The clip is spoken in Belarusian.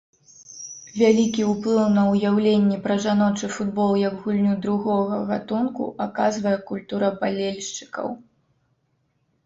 Вялікі ўплыў на ўяўленні пра жаночы футбол як гульню другога гатунку аказвае культура балельшчыкаў.